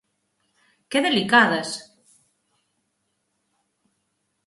¡Que delicadas!